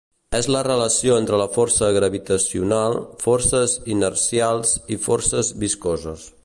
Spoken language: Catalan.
És la relació entre la força gravitacional, forces inercials i forces viscoses.